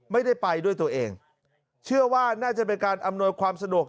ไม่ได้ไปด้วยตัวเองเชื่อว่าน่าจะเป็นการอำนวยความสะดวก